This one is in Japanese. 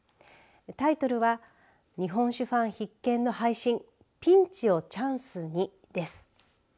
タイトルは日本酒ファン必見！の配信ピンチをチャンスにです。